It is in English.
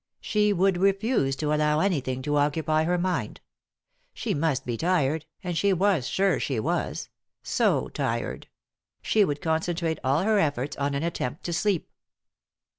She would refuse to allow anything to occupy her mind. She must be tired, she was sure she was ; so tired 1 She would concen trate all her efforts on an attempt to sleep.